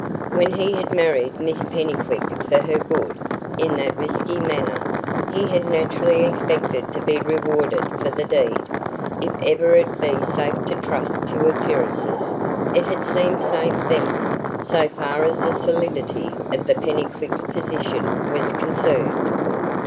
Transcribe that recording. When he had married Miss Pennycuick for her good, in that risky manner, he had naturally expected to be rewarded for the deed. If ever it be safe to trust to appearances, it had seemed safe then, so far as the solidity of the Pennycuicks' position was concerned.